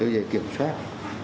để kiểm soát